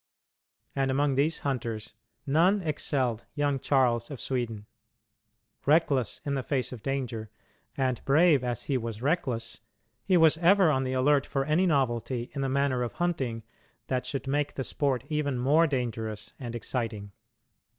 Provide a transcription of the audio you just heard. And among these hunters none excelled young Charles of Sweden. Reckless in the face of danger, and brave as he was reckless, he was ever on the alert for any novelty in the manner of hunting that should make the sport even more dangerous and exciting.